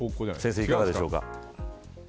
先生、いかがでしょうか。